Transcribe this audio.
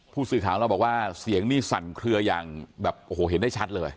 ผู้สื่อข่าวเราบอกว่าเสียงนี่สั่นเคลืออย่างแบบโอ้โหเห็นได้ชัดเลย